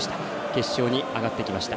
決勝に上がってきました。